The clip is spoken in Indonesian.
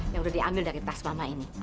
yang udah diambil dari tas lama ini